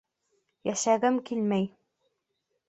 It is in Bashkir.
Йәшәгем килмәй...